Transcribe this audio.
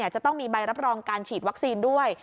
จะต้องมีใบรับรองการฉีดวัคซีนด้วย